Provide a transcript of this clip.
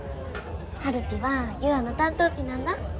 はるぴは優愛の担当ぴなんだ。